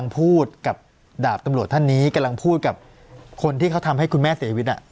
พูดกับดาบตำรวจท่านนี้กำลังพูดกับคนที่เขาทำให้คุณแม่เสียชีวิต